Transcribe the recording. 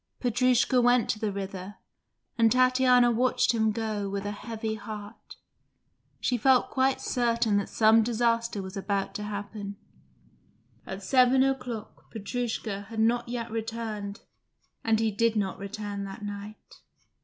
Petrushka went to the river, and Tatiana watched him go with a heavy heart. She felt quite certain some disaster was about to happen. At seven o'clock Petrushka had not yet returned, and he did not return that night.